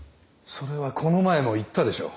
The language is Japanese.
それはこの前も言ったでしょう。